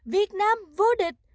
việt nam vô địch